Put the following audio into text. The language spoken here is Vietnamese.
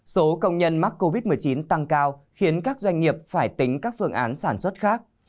số công nhân mắc covid một mươi chín tăng cao khiến các doanh nghiệp phải tính các phương án sản xuất khác